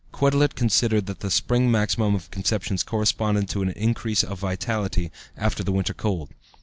Quetelet considered that the spring maximum of conceptions corresponded to an increase of vitality after the winter cold.